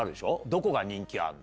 どこが人気あんの？